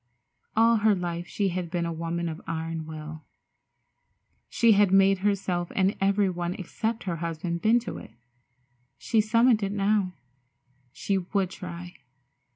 All her life she had been a woman of iron will. She had made herself and every one except her husband bend to it. She summoned it now. She would try.